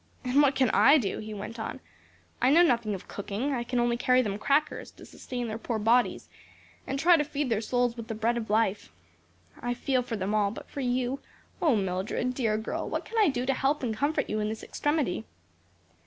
"And what can I do?" he went on. "I know nothing of cooking; I can only carry them crackers to sustain their poor bodies, and try to feed their souls with the bread of life. I feel for them all; but for you O, Mildred, dear girl, what can I do to help and comfort you in this extremity?"